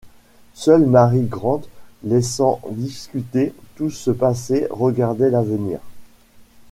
Seule Mary Grant, laissant discuter tout ce passé, regardait l’avenir.